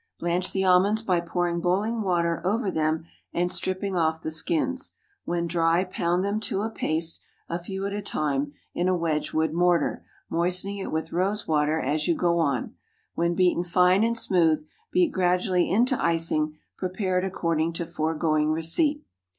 Blanch the almonds by pouring boiling water over them and stripping off the skins. When dry, pound them to a paste, a few at a time, in a Wedgewood mortar, moistening it with rose water as you go on. When beaten fine and smooth, beat gradually into icing, prepared according to foregoing receipt.